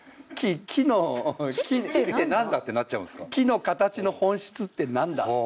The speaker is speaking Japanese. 木の形の本質って何だ？